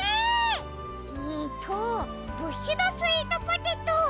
えっとブッシュドスイートポテト。